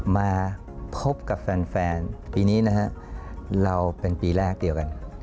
มาพบกับแฟนปีนี้นะฮะเราเป็นปีแรกเดียวกัน